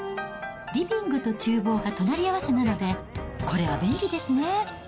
リビングとちゅう房が隣り合わせなので、これは便利ですね。